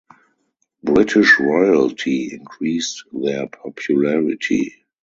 British royalty increased their popularity.